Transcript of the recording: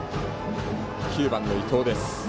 ９番の伊藤です。